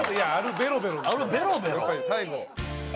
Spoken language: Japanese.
最後。